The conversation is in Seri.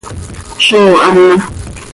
Zóo hama.